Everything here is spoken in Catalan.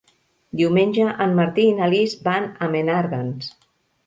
Diumenge en Martí i na Lis van a Menàrguens.